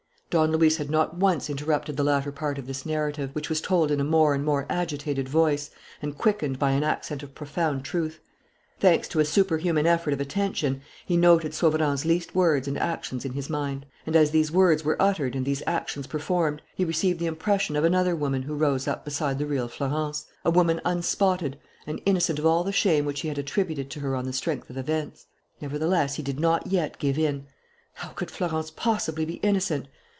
Don Luis had not once interrupted the latter part of this narrative, which was told in a more and more agitated voice and quickened by an accent of profound truth. Thanks to a superhuman effort of attention, he noted Sauverand's least words and actions in his mind. And as these words were uttered and these actions performed, he received the impression of another woman who rose up beside the real Florence, a woman unspotted and innocent of all the shame which he had attributed to her on the strength of events. Nevertheless, he did not yet give in. How could Florence possibly be innocent?